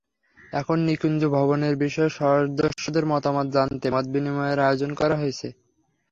এখন নিকুঞ্জ ভবনের বিষয়ে সদস্যদের মতামত জানতে মতবিনিময়ের আয়োজন করা হয়েছে।